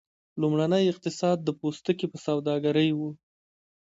لومړنی اقتصاد د پوستکي په سوداګرۍ و.